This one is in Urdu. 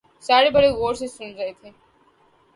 سارے بڑے غور سے سن رہے تھے